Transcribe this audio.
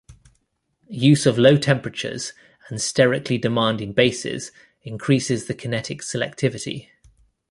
Use of low temperatures and sterically demanding bases increases the kinetic selectivity.